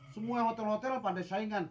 semua hotel hotel pandai saingan